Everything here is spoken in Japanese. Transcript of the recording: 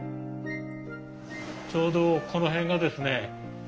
ちょうどこの辺がですね